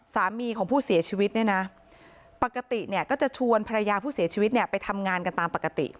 สามีของผู้เสียชีวิตเนี่ยนะปกติเนี่ยก็จะชวนภรรยาผู้เสียชีวิตเนี่ยไปทำงานกันตามปกติ